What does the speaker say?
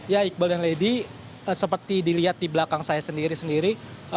ya iqbal dan lady seperti dilihat di belakang saya sendiri sendiri